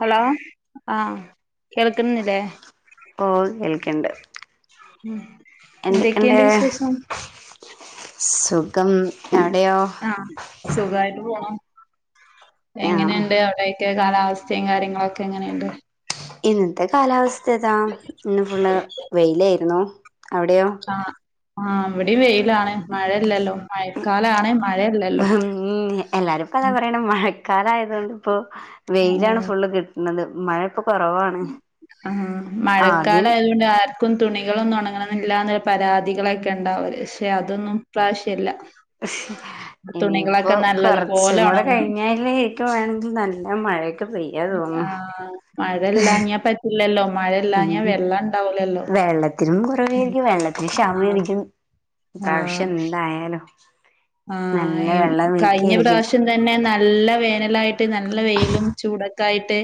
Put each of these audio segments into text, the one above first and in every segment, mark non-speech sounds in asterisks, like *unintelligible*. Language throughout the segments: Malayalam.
ഹലോ ആഹ് കേൾക്കുന്നില്ലേ ഓ കേൽക്കണ്ട് ഉം എന്തൊക്കെ ഇണ്ട് വിശേഷം സുഖം അവിടെയോ ആ എങ്ങനെ ഒണ്ട് അവിടെയൊക്കെ കാലാവസ്ഥയും കാര്യങ്ങളൊക്കെ എങ്ങനെ ഒണ്ട് ഇന്നത്തെ കാലാവസ്ഥ ഏതാ ഇന്ന് ഫുള്ള് വെയിലായിരുന്നു അവിടെയോ ആഹ് ആഹ് ഇവിടേം വെയിലാണ് മഴല്ലല്ലോ മഴക്കാലാണ് മഴല്ലല്ലോ മ് എല്ലാരുംപ്പ അതാ പറയണ മഴക്കാല ആയതുകൊണ്ട് ഇപ്പൊ വെയിലാണ് ഫുള്ള് കി ട്ട്ണത് ആ മഴക്കാല ആദ്യം ആയതു കൊണ്ട് ആർ ക്കും തുണികളൊന്നും ഒണങ്ങണന്നില്ലാന്ന് പരാതികളൊക്കെ ഒണ്ടാവര് പക്ഷെ അതൊന്നും ഇപ്രാവശ്യ ഇല്ല ശ്ശ് ഇനിയിപ്പോ നല്ലതുപോലെ കൊറച്ചും കൂടെ ഉണങ്ങും കഴിഞ്ഞാല് എക്ക് വേണോങ്കി നല്ല മഴ മഴയൊക്കെ പെയ്യാ തോന്നുന്നു ആ മഴ ഇല്ലാഞ്ഞാ പറ്റില്ലല്ലോ ഉം മഴയില്ലാഞ്ഞാ വെള്ളം ഉണ്ടാവൂലല്ലോ വെള്ളത്തിനും കുറവേരിക്കും വെള്ളത്തിന് ആഹ് ക്ഷാമേരിക്കുന്നു ഇപ്രാവശ്യം എന്തായാലും ആ നല്ല ഇമ് വെള്ളം കഴിഞ്ഞ വീക്കിയിരിക്കും പ്രാവശ്യം തന്നെ നല്ല വേനലായിട്ട് നല്ല വെയിലും ചൂട ക്കായിട്ട്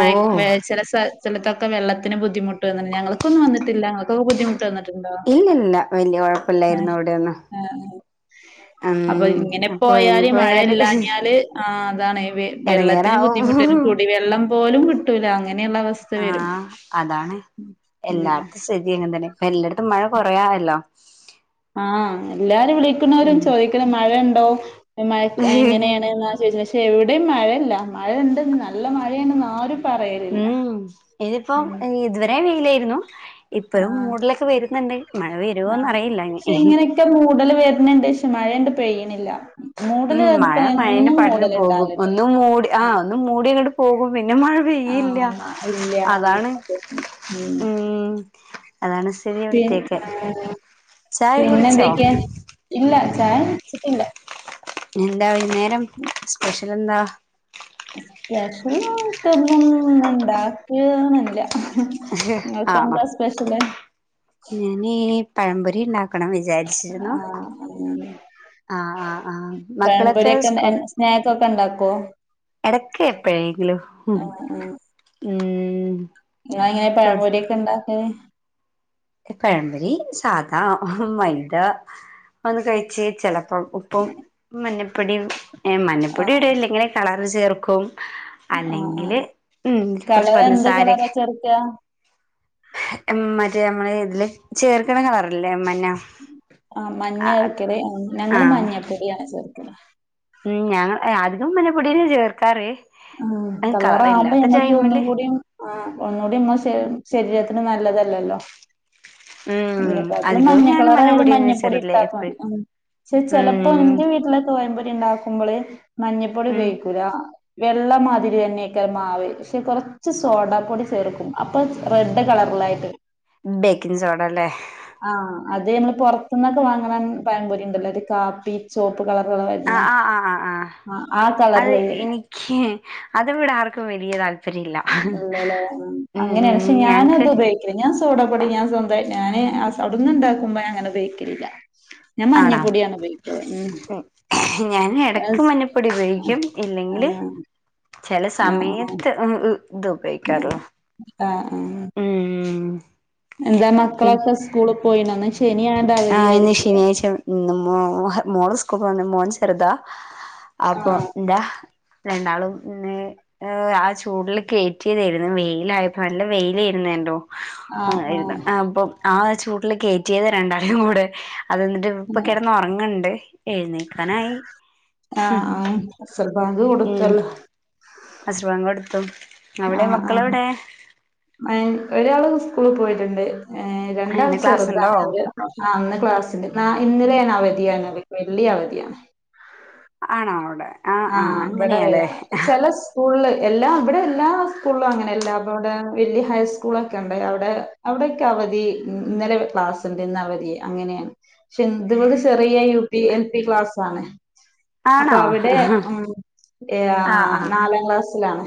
ഓ വേ ചെല സ സ്ഥലത്തക്ക വെള്ളത്തിന് ബുദ്ധിമുട്ടും അങ്ങനെ ഞങ്ങൾക്കൊന്നും വന്നിട്ടില്ല ഞങ്ങൾക്ക് ബുദ്ധിമുട്ട് വന്ന്ട്ട് ഇല്ല്വല്യ കൊഴപ്പ ഇല്ലാരുന്നു അവിടെ ഒന്ന് ആഹ് അപ്പൊ ഇങ്ങനെ പോയാല് മഴ ഇല്ലാഞ്ഞാല് ആ അതാണ് ഈ വ് വെള്ളത്തിന് എടങ്ങേറാവും ബുദ്ധിമുട്ടില്ലല്ലോ കുടിവെള്ളം പോലും കിട്ടൂലാന്ന് ആഹ് അതാണ് ഉം എല്ലായിടത്തും സ്ഥിതി ഇങ്ങന തന്നെ ഇപ്പ എല്ലടത് ട്ടും മഴ കൊറേ ആയല്ലോ ആഹ് എല്ലാരും വിളിക്കുണോരും ഉം ചോദിക്കല് മഴ ഒണ്ടോ ഈ മഴേക്ക എങ്ങനെയാണ് എന്നാ ചോദിച്ചത് പക്ഷെ എവിടെയും മഴയല്ല മഴ ഉണ്ട് നല്ല മഴയാണെന്ന് ആരും പറയലില്ല ഉം ഇതിപ്പം ഉം ഇതുവരേം വെയിലായിരുന്നു ഇപ്പഴും ആഹ് മൂടലൊക്കെ വരുന്നുണ്ട് മഴ വരുവോന്ന് ആഹ് അറിയില്ല പക്ഷെ ഇനി ഇങ്ങനെയൊക്കെ മൂടല് വരുന്നുണ്ട് പക്ഷെ മഴയണ്ട് പെയ്യണില്ല ഉം മൂടല് ഇപ്പ മഴ മഴേന് എന്നും പാട്ടിന് മൂടല് പോകും ഇണ്ടാവലുണ്ട് ഒന്നും മൂടി ആ ആഹ് ഒന്നും മൂടിയങ്ങട്ട് പിന്നെ മഴ പെയ്യേ ഇല്ല ആഹ് ഇല്ല അതാണ് അതെ. ഉം അതാണ് സ്ഥിതി പിൻ ഇവിടത്തേക്ക് ആ ചായ കുടിച്ചോ പിന്നെന്തക്കെയാ ഇല്ല ചായ കുടിച്ചിട്ടില്ല എന്താ വയ്യ്ന്നേരം സ്പെഷ്യലെന്താ സ്പെഷ്യലായിട്ടൊന്നും ഇന്നുണ്ടാക്കിയതൊന്നും ഇല്ല ആണോ ഞാന് പഴംപൊരി ഉണ്ടാക്ക നക്കണം വിചാരിച്ചിരുന്നു ആഹ് അങ്ങനെ ആഹ് ആഹ് ആഹ് മക്കളൊക്കെ പഴംപൊരിയൊക്കെ സ് എൻ സ്നാക്കൊക്കെ ഇണ്ടാക്കോ? ഇടക്ക് എപ്പോഴെങ്കിലും ഉം ഇ ഇങ്ങനെ പഴം പൊരിയൊക്കെ ഇണ്ടാല് പഴമ്പൊരി സാദാ മൈദ ഒന്ന് കഴച്ച് വച്ച് ചെലപ്പോം ഒപ്പം മഞ്ഞപ്പൊടി മഞ്ഞപ്പൊട ആഹ് ഇടെല്ല ഇങ്ങനെ കളറ് ചേർക്കും ആഹ് അല്ലെങ്കില് ആഹ് ഉം കുറച്ച് കളറെന്ത് കളറാ പഞ്ചസാരൊക്കെ ചേർക്കാ? മറ്റേ നമ്മള് ഇതില് ചേർക്ണ കളറില്ലേ മഞ്ഞ ആഹ് മഞ്ഞ ചേർക്കല് ഞങ്ങള് ആഹ് മഞ്ഞപ്പൊടിയ ചേർക്കണേ ഉം ഞങ്ങള് ആധികം മഞ്ഞപ്പൊടി തന്നെ ചേർക്കാറ് ആ കളാകുമ്പോ കളറില്ലാത്ത ഞങ്ങക്ക് ഒന്നും ടൈമില് കൂടി ആ ഒന്നുകൂടിമ്മ ശരീര അന് നല്ലതല്ലല്ലോ ഉം അക്ക അധികവും മഞ്ഞ ഞാൻ കളറായ ഒരു മഞ്ഞപ്പൊടിന്നെ മഞ്ഞപ്പൊടി ചേർക്കല് ഇട്ടാ മതി എപ്പഴും പക്ഷെ ചെലപ്പോ ഉം എന്റെ വീട്ടില് പയമ്പൊരി ഉണ്ടാക്കുമ്പോള് മഞ്ഞപ്പൊടി ഉം ഉപയോഗിക്കൂല വെള്ളമാതിരി തന്നെയൊക്കെ മാവ് പക്ഷെ കുറച്ച് സോഡ പൊടി ചേർക്കും അപ്പൊ റെഡ് കളർലായിട്ട് ബേക്കിങ് സോഡ അല്ലേ ആഹ് അത് നമ്മള് പുറത്തുന്നൊക്കെ വാങ്ങാണ പഴംപൊരി ഇണ്ടല്ലോ ഒരു കാപ്പി ചോപ് പ്പു കളറൾ ആഹ് വരുന്നേ ആഹ് ആഹ് ആഹ് ആഹ് ആ ആ കളർല് വരും. അത്വ്ട ആർക്കും വലിയ താല് ഇല്ലല്ലേ ഉം ഉം അങ്ങനെയാണ്. പക്ഷെ ഞങ്ങക്ക് ഞാനത് ഉപയോഗിക്കില്ല ഞാ സ്വ സോഡാ പൊടി ഞാൻ സ്വന്തായി ഞാന് അവിന്ന് ഇണ്ടാക്കുമ്പോ അങ്ങന ഉപയോഗിക്കലില്ല ഞാൻ മഞ്ഞപ്പൊടിയാണ് ഉപയോഗിക്കല് ഉം ഞാന് ഇടക്ക് മഞ്ഞപ്പൊടി ഉപയോഗിക്കും ഇല്ലെങ്കില് ആഹ് ആഹ് ചില ആഹ് ആഹ് സമയത്ത് ഉം ഉം ഇത് ഉപയോഗിക്കാറുള്ളു ആഹ് ആഹ് ഉം എന്താ പി മക്കളൊക്കെ സ്കൂള് പോയിണന്ന് ആ ഇന്ന് ശനിയാഴ്ച ന്ന് മോ മോള് സ്കൂൾ പോന്ന് മോൻ ചെറുതാ അപ്പൊ ആഹ് എന്താ രണ്ടാളും പിന്നെ ഏ ആ ചൂടില് കേറ്റിയതായിരുന്നു വെയിലായപ്പോ നല്ല വെയിലായിരുന്നേനല്ലോ ആഹ് ആയിരുന്നു. ആഹ് അപ്പം ആ ചൂട്ടില് കേറ്റിയതാ രണ്ടാളെയും കൂടെ അത് എന്നിട്ട്പ്പൊ കിറന്ന് ഉറങ്ങണ്ട് എഴുനേക്കാനായി ആഹ് ആഹ് അസർ ബാങ്ക് കൊടുത്തല്ലോ അസർ ബാങ്ക് കൊടുത്തു അവിടെ ആഹ് ആഹ് മക്കളെവിടെ? ഏഹ് ഒരാള് സ്കൂളിൽ പോയിട്ടുണ്ട്. ഏ രണ്ടാള് ഇന്ന് ക്ലാസ്സുണ്ടോ ചെറുതാണ് അവര് ആ ഇന്ന് ക്ലാസ്ണ്ട് നാ ഇന്നലെ ആണ് അവധിയാണത് വെ വെള്ളി അവധിയാണ്. ആണോ അവിടെ? ആ ഇവിടെ വ ചില സ്കൂൾല് എല്ലാ അവിടെ എല്ലാ സ്കൂൾലും അങ്ങനെയല്ല അപ്പ അവിടെ വലിയ ഹൈസ്കൂളൊക്കെ ഉണ്ട് അവിടെ അവിടൊക്കെ ആ വധി. ഇന്നലെ ക്ലാസ് ഉണ്ട് ഇന്ന് അവധി അങ്ങനെയാണ്. പക്ഷെ ഇത് ചെറിയ U P L P P ക്ലാസ്സാണ്. ആണോ ഉം ഏ ആ ആ നാലാം ക്ലാസ്സിലാണ്.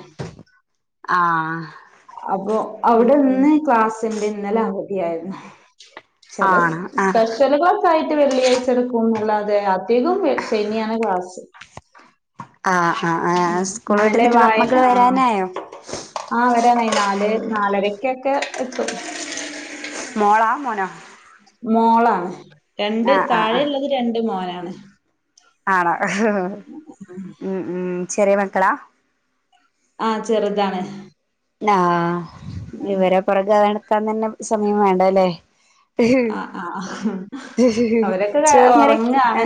ആഹ് അപ്പൊ ഉം അവിടെ ഉം ഇന്ന് ക്ലാസ്സ് ഉണ്ട് ഇന്നലെ അവധിയായിരുന്നു. ചില ആണോ സ് ആഹ് സ്പെഷ്യല് ക്ലാസ് ആയിട്ട് വെള്ളിയാഴ്ച എടുക്കും അല്ലാതെ അ ധികം ശനിയാണ് ക്ലാസ് ആ ആ ആ ഉം സ്കൂൾ ഇന്നലെ വട്ടിന്നിട്ട് വായന മക്കള് ആ വരാനായോ? ആഹ് വരാനായി നാല് നാലരക്കൊക്കെ എത്തും മോളാ മോനോ? മോളാണ് രണ്ട് ആഹ് താഴെ ഇള്ളത് രണ്ട് മോനാണ് ആണാ ഹ് ഹ് ഹ് ഉം ഉം ചെറിയ മക്കളാ ആ ചെറുതാണ് ആ.... ഇവരെ പുറകെ നടക്കാൻ തന്നെ സമയം വേണ്ടല്ലേ. ആ ആ അവരൊക്കെ ചോറും കറിയൊക്കെ ഉറങ്ങാണ്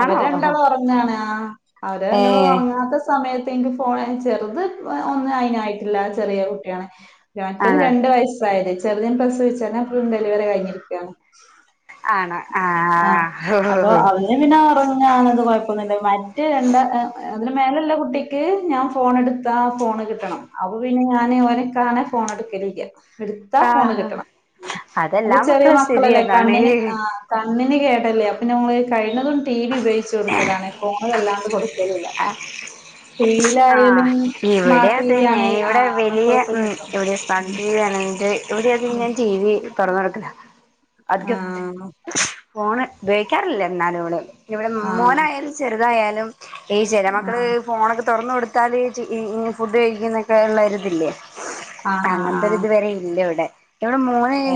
ആണോ അവരെണ്ടാള് ഉറങ്ങാണ് അവരങ്ങള് ഏഹ് ഉറങ്ങാത്ത സമയ ത്ത് ഇൻക് ഫോൺ ചെറുത് ഒന്നും അതിനനായിട്ടില്ല ചെറിയ കുട്ടിയാണ് *unintelligible* ആണോ രണ്ട് വയസ് ആയില്ലേ ചെറുത്തിനെ പ്രസവിച്ച് ഞാൻ ഇപ്പൊ ഡെലിവറി കഴിഞ്ഞ് ഇരിക്കന് ആണോ ആ അപ്പൊ ആഹ് അവെ പിന്നെ ഉറങ്ങാണത് കൊഴപ്പൊന്നില്ല മറ്റെ രണ്ട് അതിന് മേലുള്ള കുട്ടിക്ക് ഞാൻ ഫോൺ എടുത്താ ഫോണ് കിട്ടണം അപ്പ പിന്നെ ഞാന് ഓനേക്കാണെഫോൺ ഫോണെടുക്കലില്യ എടുത്താ ഫോണ് ആഹ് കിട്ടണം അപ്പ അതെല്ലാ ചെറിയ മക്കളെ സ്ഥിതി മക്കളല്ലേ അതാണ് കണ്ണിന് ആ അന് കേട്ടല്ലേ അപ്പൊ ഞങ്ങൾ കണ്ണിന് ണ്ണിന് കേടല്ലേ കഴിുന്നതും ടി വി ഉപയോഗിച്ച് കൊടുക്കലാണ് ഫോണ് വല്ലാണ്ട് കൊടു ആ ആ ഇവിടെ സ്മാർട്ട് ടി വി അതന്നെ ആണ് ഇവിടെ ആഹ് വലിയ മക്കൾക്ക് ഉം കിട്ടും ഒരു ഉം സംഗീതൻ *unintelligible* ഇവിടെ ഒക്കെ ഇങ്ങനെ ടീ വി തുറന്നു കിടക്കല ആ ഫോണ് ഉപയോഗിക്കാറില്ല എന്നാലുംഅവള് ഇവിടെ ആഹ് മോനായാലും ചെറുതായാലും ഏ ചില മക്കള് ആഹ് ഫോണൊക്കെ തുറന്ന കൊടുത്താല് ചികി ഞ് ഫുഡ് കഴിക്കുന്നൊക്കെ ഉള്ള ഒരുത്ല്ലേ ആഹ് ആഹ് അങ്ങനത്ത ഒര്ത് ആഹ് ഇതുവരെ ഇല്ല ഇവിടെ ഇവിടെ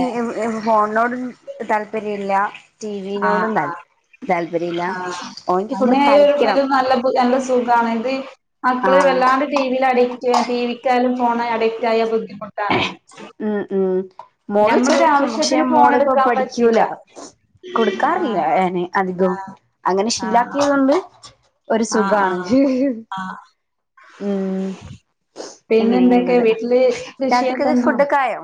ഏഹ് ഫോണിനോടും താല്പര്യം ഇല്ല ടി വിനോടും താൽ ആ അങ്ങനെയായി ഒരു കളിക്കണം ഒരു നല്ല നല്ല സുഖമാണ് ഇത് മക്കള് ആഹ് വല്ലാണ്ട് ടി വിയിൽ അഡിക്റ്റ് ടി ലും ഫോൺ അഡിക്റ്റ ആയ ബുദ്ധിമുട്ടാണ് ഉം ഉം മോള് ഞമ്മളൊരു ചോയിക്കും പക്ഷേ ആവശ്യത്തിന് ഫോൺ മോളിപ്പോ എടുക്കാൻ പറ്റില്ല പഠിക്കൂല കൊടുക്കാറില്ല ആഹ് എനെ അധികം അങ്ങനെ ആഹ് ശീലാക്കിയത് കൊണ്ട് ഒരു ആഹ് ആഹ് സുഖാണ് ആഹ് ഹ് ഹ് ആഹ് ഉം പിന്നെന്തൊക്കെ എങ്ങനെയുള്ളത് വീട്ടില് രാത്രിക്കത്തെ കൃഷിയക്കെണോ ഫുഡൊക്കെ ആയോ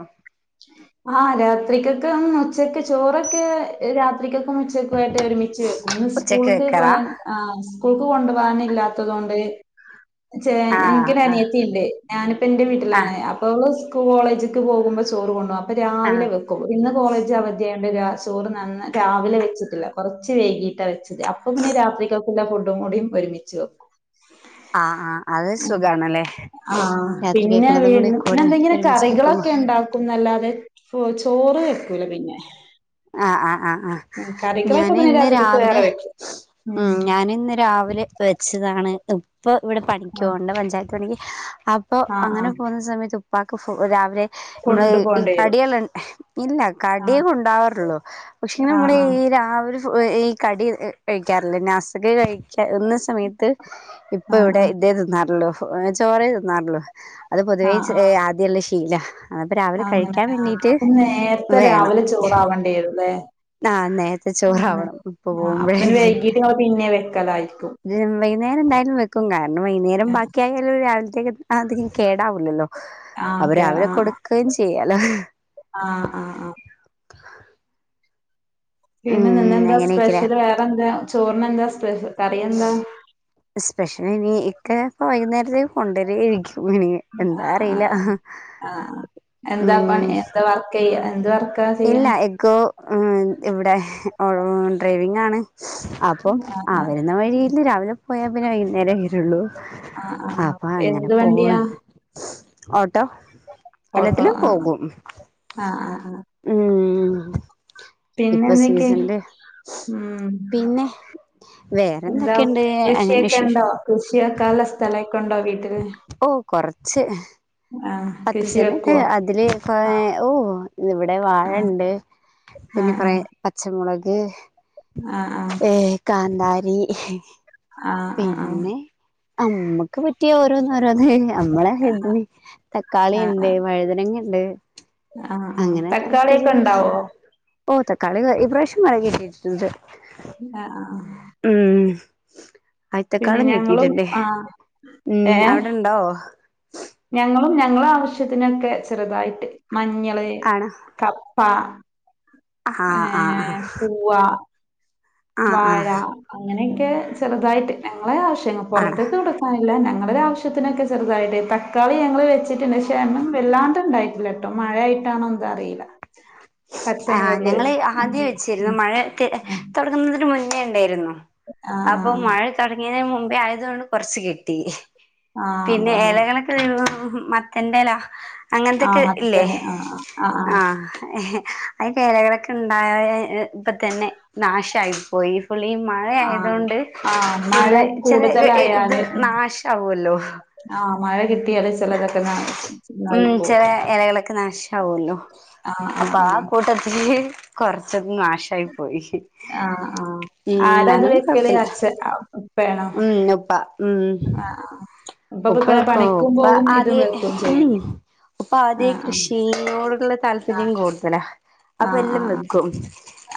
ആ രാത്രിക്ക് ഒക്കെ മുച്ചക്ക് ചോറൊക്കെ രാത്രിക്കൊക്കെ മുച്ചക്കുയിട്ട് ഒരുമിച്ചു ഒന്ന് ഉച്ചക്ക് സ്കൂൾക്ക് പോ വെക്കാറാ ആ സ്കൂൾക്ക് കൊണ്ടുപകാന ഇല്ലാത്തത് കൊണ്ട് ച്ചെ ആഹ് എനിക്കൊരു ആഹ് അനിയത്തി ഉണ്ട് ഞാനിപ്പോ എന്റെ വീട്ടിലാണ് ആഹ് അപ്പൊ അവൾ കോളേജ്ക്ക് പോകുമ്പോ ചോറ് കൊണ്ടു പോകും അപ്പൊ ആഹ് രാവിലെ വെക്കും ഇന്ന് കോളേജ് അവധിയാണ്. അത് കൊണ്ട് ചോറ് നന്ന് രാവിലെ വെച്ചിട്ടില്ല കുറച്ച് വൈകിട്ടാ വെച്ചത് അപ്പൊ പിന്നെരാത്രിക്കക്ക് ഉള്ള ഫു കൂടിയും ഒരുമിച്ചച്ച് വെക്കും ആ ആ അത് സുഖണല്ലേ ആഹ പിന്നെ പിന്നെ എന്തെങ്ങെ ഒരുമിച്ച് വെക്കുമ്പോ കറികളൊക്കെ ഉണ്ടാക്കുംല്ലാതെ ചോറ് വെക്കൂല പിന്നെ ആ ആ ആ ആ ഉം കറികളൊക്കെ ഞാന പിന്നെ ഇന്ന് രാത്രിക്കക്ക് വേറെ രാവിലെ വെക്കും ഉ ഉം ഞാന ഇന്ന് രാവിലെ വെച്ചതാണ് ഇപ്പൾ ഇവിടെ ആഹ് പണിക്കൊകുണ്ട് പഞ്ചായത്ത്പണിക്ക് അപ്പോൾ ആഹ് അങ്ങനെ ആഹ് പോകുന്ന സമയത്ത് ഉപ്പാക്ക് രാവിലെ നമ്മള് കൊണ്ടു ഈ പോണ്ടേരും കടികൾണ്ട് ഇല്ല കടിയ ആഹ് കൊണ്ടാവാറുള്ളൂ പക്ഷെ ഈ ആഹ് ആഹ് നമ്മളെ ഈരാവി ഒരു ഈ കടി കഴിക്കാറില്ല നാസക് കഴിക്കാ എന്ന സമയത്ത് ഇപ്പൊ ആഹ് ഇവിടെ ഇതേ ആഹ് തിന്നാറുള്ളു ചോറ തിന്നാറുള്ളു അത് പൊതുവേ ആഹ് ആഹ് ഇച്ചിരി ആദ്യുള്ള ശീല അതപ്പ രാവിലെ അങ്ങനെ കഴിക്കാൻ ആഹ് വേണ്ടീട്ട് അപ്പം നേരത്തെ വേണം രാവിലെ ചോറാവണ്ടിവരുല്ലേ ആ നേരത്തെ ആഹ് ചോറാവണം ഇപ്പ ആഹ് അപ്പൊ പിന്നെ പോകുമ്പോഴേക്ക് വൈകീട്ട് ഇങ്ങള് പിന്നെ വെക്കലായിരിക്കും എ വൈകുന്നേരം എന്തായാലും വെക്കും കാരണം വൈകുന്നേരം ആഹ് ബാക്കിയ ആയാലും രാവിലത്തേക്ക്എടു ആ അതം കേടാവൂല്ലല്ലോ അവര് അവരെ കൊടുക്കുകയും ചെയ്യാലോ ആഹ ആഹ് ആഹ *inaudible* പിന്നെ ഉം നിന്നെന്താ അങ്ങനെയൊക്കെല്ലേ സ്പെഷ്യല് വേറെന്താ ചോറിന് എന്താ സ്പെഷ്യൽ കറി എന്താ എസ്പെഷല നീ ഇക്ക കൊണ്ട് *inaudible* ആ ആഅആ എന്താ പണി ഉം എന്താ വർക്ക് ചെയ്യ എന്ത് വർക്കാ ചെയ്യാണെ ഇവിടെഓ ഡ്രൈവിംഗ ആണ് അപ്പം ആഹ് ആഹ് വരുന്ന വഴിയിൽ രാവിലെ പോയാ പിന്നെ വൈകുന്നേരംകിട്ടു ആഹ് ആഹ് അപ്പൊ അങ്ങനെ എന്ത് പോവ വണ്ടിയാ ട്ടോ ഓട്ടോ എല്ലാത്തിലും ആഹ് പോകും ഉം ഇപ്പൊ പിന്നെന്തൊക്കെ സീസണില് ഉ പിന്നെ എന്താ വേറെന്തൊക്കെയുണ്ട് അങ്ങനെ കൃഷിയൊക്കെ വിശേഷം ഉണ്ടോ കൃഷിയൊക്കെ ഉുള്ള സ്ഥലൊക്കെ ഉണ്ടോ വീട്ട എക്കേ കുറച്ച് പത്ത് കൃഷി സെന്റ്ണ്ട് വെക്കുവോ അതില് ഇപ്പൊ ആഹ് ഓ ഇവിടെ വാഴണ്ട് പിന്നെ ആഹ് കൊറെ പച്ചമുളക് ആഹ് ആഹ് ഏ കാന്താരി ആ ആ ആ അമ്മുക്ക് പറ്റിയ ഓരോന്ന് ഓരോന്ന് ചെയ്യ നമ്മളെ ഇതിന് ആഹ് തക്കാളിയുണ്ട് ആഹ് വഴുതനങ്ങ ഉണ്ട് ആഹ് ആഹ് അങ്ങനെ കുറച്ചിച്ച തക്കാളിയൊക്കെ കുറച്ച് ഉണ്ടാവോ ഓ തക്കാളി ഇപ്രാവശ്യം മഴ കിട്ടീട്ടുണ്ട് ആഹ് ആ ആ ഉം പിന്നെ ആയിത്തെക്കാളും ഞങ്ങളും കെട്ടിട്ടിണ്ട് ആഹ് ഉം ഏഹ് അവിടെണ്ടോ ഞങ്ങളും ഞങ്ങള ആവശ്യത്തിനൊക്കെ ചെറുതായിട്ട് മഞ്ഞള് ആണോ കപ്പ ആ ആ ആ ഏർ പൂവാ ആ ആ വാഴ അങ്ങനെയൊക്കെ ചെറുതായിട്ട് ഞങ്ങളെ ആവശ്യ ആണ പുറത്തേക്ക് കൊടുക്കാനില്ല ഞങ്ങ ഞങ്ങളുടെ ആവശ്യത്തിനൊക്കെ ചെറുതായിട്ട് തക്കാളി ഞങ്ങള് വെച്ചിട്ടുണ്ട്ക്ഷേ അും വല്ലാണ്ട്ണ്ടായിട്ടില്ല കേട്ടോ മഴയായിട്ട് ട്ടാണോന്താ അറിയില്ല ആഹ് പച്ചമുളക് ഞങ്ങള് ഉം ആദ്യം വെച്ചിരുന്നു ഉം മഴ ഉം തുടങ്ങുന്നത് മുന്നേ ഉണ്ടായിരുന്നു ആ ആ അപ്പൊ മഴ തുടങ്ങിയതിനന് മുമ്പേ ആയതുകൊണ്ട് കുറച്ച് കിട്ടി ആ പിന്നെ അതാണ് ഇലകളൊക്കെ തരു മത്തൻന്റെല ആ അങ്ങനന്തൊക്കെ ഇല്ലേ മത്തന് ആ ആ ആ ആഹ അ വേലകളൊക്കെ ഉണ്ടായ ഇപ്പ തന്നെ നാശായിപ്പോയി പുള്ളി ഈ മഴ ആ ആയതൊണ്ട് ആ മഴ പുളിചെല ഇത് കൂടുതലായാല് ഉം നാശവല്ലോ ആ മഴ കിട്ടിയാല് ചിലതൊക്കെ ന ഉം നന്നായി പോവും ചെല ഇലകളൊക്കെ നാശ ആവല്ലോ അപ്പൊ ആ കൂട്ടത്തില് കൊറച്ച മാശായി പോയി ആ ആ ആ ഉം നന ആരാത് വെക്കല് കുഴപ്പില്ല അച്ഛ ഉം ഉപ്പ ഉം ആ അപ്പൊ ഉപ്പ പിന്നെ വെക്കും പണിക്കും പോകും ഇതും വെക്കും ചെയ്യണം അപ്പൊ ആദ്യ കൃഷിയോടുള്ള താല്പര്യം ആഹ് കൂടുതലാ അപ്പ ആഹ് എല്ലം ആഹ് വെക്കും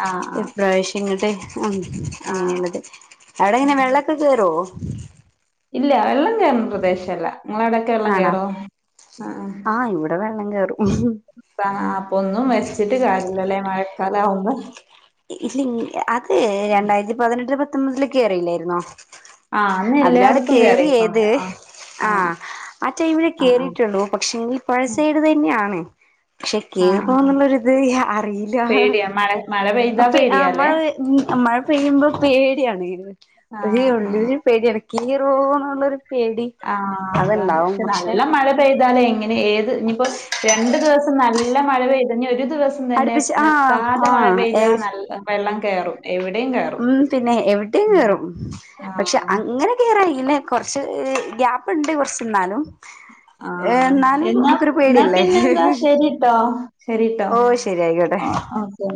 ആഹ് ഇപ്രാവശ്യം ഇങ്ങട്ട് ഉം ആഹ് ആഹ് അങ്ങനെയുള്ളത്. അവിടെ ഇങ്ങനെ വെള്ളൊക്കെ കേറോ ഇല്ല വെള്ളം കേറുന്ന പ്രദേശല്ല. നിങ്ങള അവിടയൊക്കെ വെള്ളം ആണോ കേറോ? ആ ആ ആഹ് ഇവിടെ വെള്ളം കേറും അപ്പ ആ അപ്പൊ ഒന്നും വെച്ചിട്ട് കാര്യല്ലല്ലേ മഴക്കാലം ആവുമ്പോ ഇല്ല അത് രണ്ടായിരത്തി പതിനെട്ടില് പത്തൊമ്പതിലെക്കയറിയില്ലായിരന്നോ ആ അതിലാണ് കേറിയേത് ആ ആ ടൈമില് കേറിട്ടൊള്ളൂ. പക്ഷെ പൊഴസൈഡ് തന്നെയാണ്. പക്ഷെ ആഹ് ആഹ് കേറാനുള്ളത് അറീല. പേടിയാ മഴ മഴ പെയ്താ അപ്പ പേടിയാല്ലേ മഴ മഴ പെയ്യുമ്പോ പേട്യാണ്. ഒരു ആഹ് ആഹ് ഉള്ളിലൊരു പേട്യാണ് ക്കേറോന്ന്ള്ളൊരു. ആ അതാണ് പക്ഷെ നല്ല മഴ പെയ്താലേ എങ്ങനെ ഏത് ഇഞ്ഞിപ്പൊ രണ്ട് ദിവസം ന ല്ല മഴ പെയ്ത ഇനി ഒരു ദിവസം തന്നെ അടുപ്പിച്ച് ആഹ് നിർത്താതെ മഴ ആഹ് ഏ പെയ്താ നല്ല വെള്ള ഉം പിന്നെ എവിടെ ഉം കേറും പക്ഷെ ആഹ് അങ്ങനെ കേറായില്ല. കു ക്ഷെ ഗ്യാപ്പ്ണ്ട് കൊർച്ച് ന്നാലും ആ എന്നാ ന്നാപിന്നെന്താ പേടിയല്ലേ ശെരീട്ടോ ശെരീട്ടോ. ഓ ശരി ആയിക്കോട്ടെ ആ ഓക്കെ.